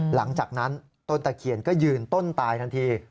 หลังจากนั้นต้นตะเคียนก็ยืนต้นตายทันที